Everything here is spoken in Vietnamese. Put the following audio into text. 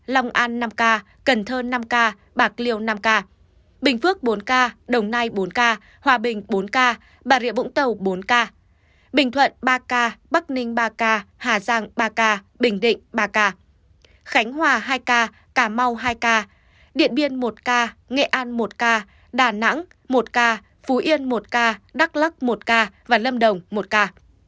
cần thơn năm ca bạc liêu năm ca bình phước bốn ca đồng nai bốn ca hòa bình bốn ca bà rịa vũng tàu bốn ca bình thuận ba ca bắc ninh ba ca hà giang ba ca bình định ba ca khánh hòa hai ca cà mau hai ca điện biên một ca nghệ an một ca đà nẵng một ca phú yên một ca đắk lắc một ca lâm đồng một ca